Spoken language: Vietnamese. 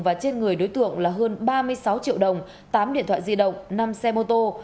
và trên người đối tượng là hơn ba mươi sáu triệu đồng tám điện thoại di động năm xe mô tô